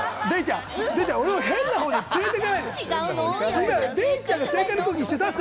俺を変な方向に連れて行かないで。